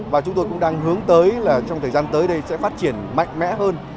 và chúng tôi cũng đang hướng tới là trong thời gian tới đây sẽ phát triển mạnh mẽ hơn